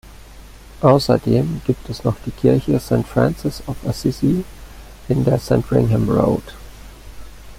Außerdem gibt es noch die Kirche "St Francis of Assisi" in der "Sandringham Road".